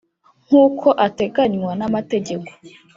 nk’uko ateganywa n’amategeko